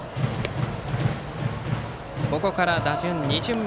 ここから打順は２巡目。